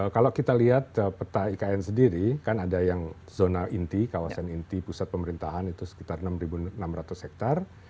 kalau kita lihat peta ikn sendiri kan ada yang zona inti kawasan inti pusat pemerintahan itu sekitar enam enam ratus hektare